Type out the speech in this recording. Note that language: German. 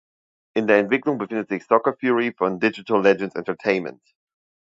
In der Entwicklung befindet sich "Soccer Fury" von Digital Legends Entertainment.